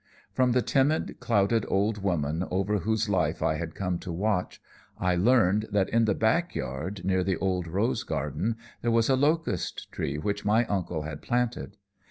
"From the timid, clouded old woman over whose life I had come to watch, I learned that in the backyard, near the old rose garden, there was a locust tree which my uncle had planted.